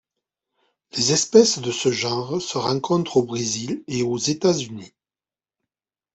Les espèces de ce genre se rencontrent au Brésil et aux États-Unis.